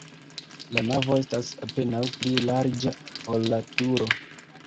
La navo estas apenaŭ pli larĝa, ol la turo.